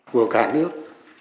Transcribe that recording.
của cả nước